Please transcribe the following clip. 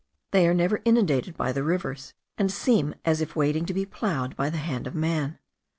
They are never inundated by the rivers, and seem as if waiting to be ploughed by the hand of man.